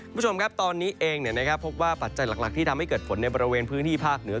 คุณผู้ชมครับตอนนี้เองพบว่าปัจจัยหลักที่ทำให้เกิดฝนในบริเวณพื้นที่ภาคเหนือ